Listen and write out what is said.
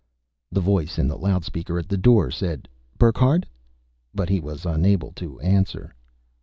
The voice in the loudspeaker at the door said, "Burckhardt?" But he was unable to answer.